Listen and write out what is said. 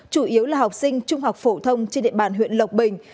chủ yếu là học sinh trung học phổ thông trên địa bàn huyện lộc bình